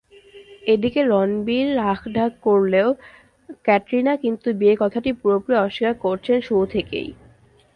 এদিকে রণবীর রাখঢাক করলেও ক্যাটরিনা কিন্তু বিয়ের কথাটি পুরোপুরি অস্বীকার করছেন শুরু থেকেই।